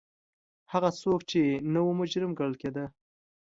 هغه څوک چې نه و مجرم ګڼل کېده.